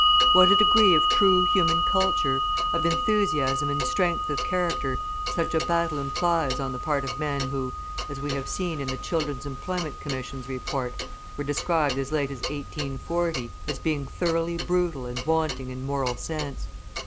What a degree of true human culture, of enthusiasm and strength of character, such a battle implies on the part of men who, as we have seen in the Children's Employment Commission's Report, were described as late as 1840, as being thoroughly brutal and wanting in moral sense!